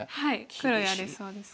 黒やれそうですか。